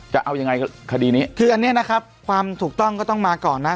จะเอายังไงคดีนี้คืออันนี้นะครับความถูกต้องก็ต้องมาก่อนนะ